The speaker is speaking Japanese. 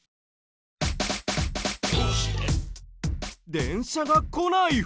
電車が来ない踏切？